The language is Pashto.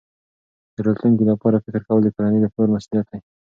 د راتلونکي لپاره فکر کول د کورنۍ د پلار مسؤلیت دی.